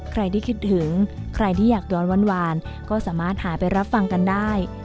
ใครที่คิดถึงใครที่อยากย้อนหวานก็สามารถหาไปรับฟังกันได้